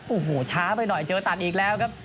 โอ้โหช้าไปหน่อยเจอตัดอีกแล้วครับ